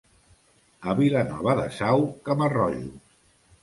A Vilanova de Sau, cama-rojos.